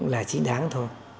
là chính đáng thôi